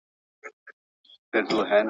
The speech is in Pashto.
د پولیسو څېړنه تر نورو پلټنو جدي وي.